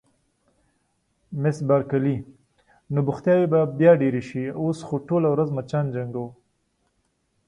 مس بارکلي: نو بوختیاوې به بیا ډېرې شي، اوس خو ټوله ورځ مچان جنګوو.